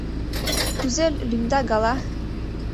— Кузе лӱмда гала...